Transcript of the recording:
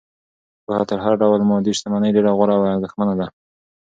پوهه تر هر ډول مادي شتمنۍ ډېره غوره او ارزښتمنه ده.